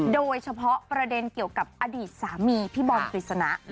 โดยเฉพาะประเด็นเกี่ยวกับอดีตสามีพี่บอลกฤษณะ